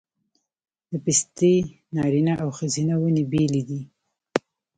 د پستې نارینه او ښځینه ونې بیلې دي؟